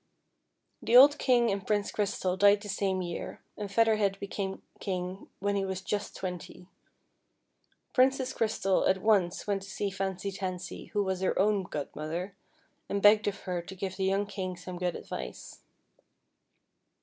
The old King and Prince Crystal died the same year, and Feather Head became King when he was just twenty. Princess Crystal at once went to see Fancy Tansy, who was her own godmother, and begged of her to give the young King some good advice.